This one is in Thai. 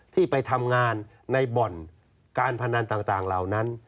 ที่ไปทำงานในบ่อนการพนันต่างเหล่านั้น